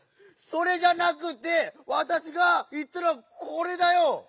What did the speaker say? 「それ」じゃなくてわたしがいったのは「これ」だよ！